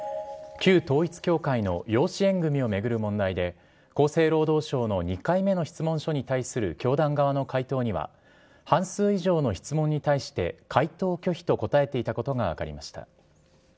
旧統一教会の養子縁組みを巡る問題で、厚生労働省の２回目の質問書に対する教団側の回答には、半数以上の質問に対して、回答拒否と答えていたことが分かりました。